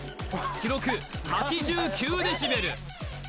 記録８９デシベル